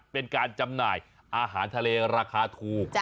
จำหน่ายอาหารทะเลราคาถูก